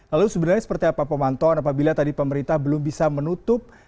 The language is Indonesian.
lalu sebenarnya seperti apa pemantauan apabila tadi pemerintah belum bisa menutup